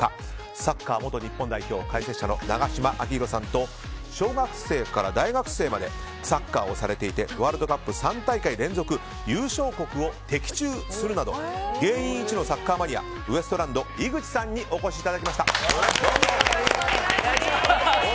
サッカー元日本代表解説者の永島昭浩さんと小学生から大学生までサッカーをされていてワールドカップ３大会連続優勝国を的中するなど芸人一のサッカーマニアウエストランド井口さんにお越しいただきました。